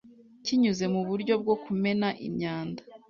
kinyuze mu buryo bwo kumena imyanda